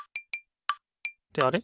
ってあれ？